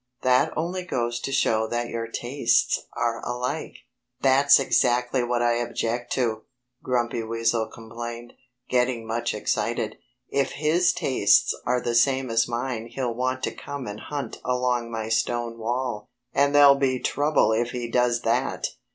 That only goes to show that your tastes are alike." "That's exactly what I object to!" Grumpy Weasel complained, getting much excited. "If his tastes are the same as mine he'll want to come and hunt along my stone wall. And there'll be trouble if he does that!